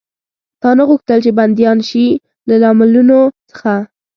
تا نه غوښتل، چې بندیان شي؟ له لاملونو څخه.